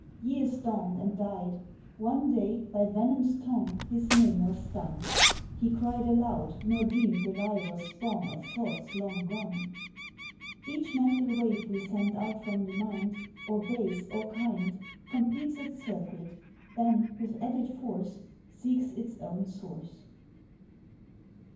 Years dawned and died. One day by venom's tongue His name was stung. He cried aloud, nor dreamed the lie was spawn Of thoughts long gone. Each mental wave we send out from the mind, Or base, or kind, Completes its circuit, then with added force Seeks its own source.